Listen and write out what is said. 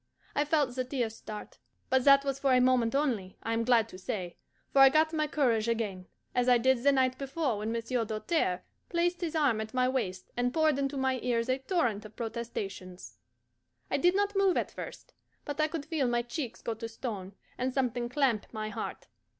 I felt the tears start. But that was for a moment only, I am glad to say, for I got my courage again, as I did the night before when Monsieur Doltaire placed his arm at my waist, and poured into my ears a torrent of protestations. I did not move at first. But I could feel my cheeks go to stone, and something clamp my heart.